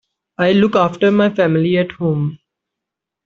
I look after my family at home.